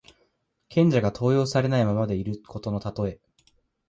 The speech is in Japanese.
賢者が登用されないままでいることのたとえ。